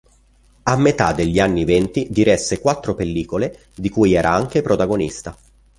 A metà degli anni venti, diresse quattro pellicole di cui era anche protagonista.